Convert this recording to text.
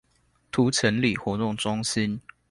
塗城里活動中心